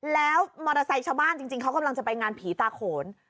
แล้วมอเตอร์ไซค์ชาวบ้านจริงเขากำลังจะไปงานผีตาโขน